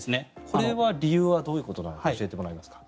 これは理由はどういうことなのか教えてもらえますか？